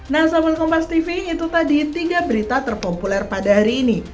nah saful kompas tv itu tadi tiga berita terpopuler pada hari ini